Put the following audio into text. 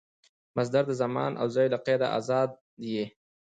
مصدر د زمان او ځای له قیده آزاد يي.